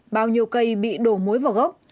bao nhiêu cây bị đổ muối vào gốc